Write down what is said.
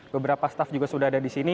beberapa staff juga sudah ada di sini